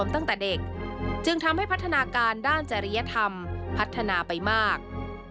และพัฒนาการด้านจริยธรรมพัฒนาไปมาก